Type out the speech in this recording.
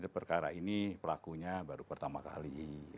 perkara ini pelakunya baru pertama kali